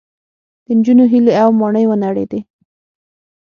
د نجونو هیلې او ماڼۍ ونړېدې